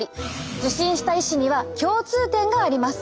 受診した医師には共通点があります。